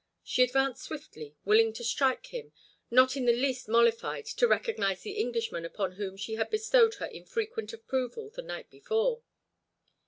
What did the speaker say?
She advanced swiftly, willing to strike him, not in the least mollified to recognize the Englishman upon whom she had bestowed her infrequent approval the night before.